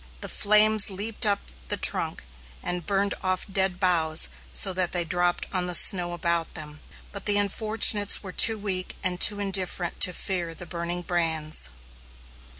The flames leaped up the trunk, and burned off dead boughs so that they dropped on the snow about them, but the unfortunates were too weak and too indifferent to fear the burning brands.